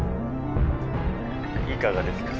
いかがですか？